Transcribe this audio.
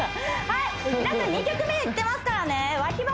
はい皆さん２曲目いってますからね